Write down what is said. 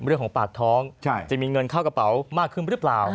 เรื่องของปากท้องจะมีเงินเข้ากระเป๋ามากขึ้นหรือเปล่า